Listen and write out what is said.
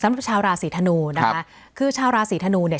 สำหรับชาวราศีธนูนะคะคือชาวราศีธนูเนี่ย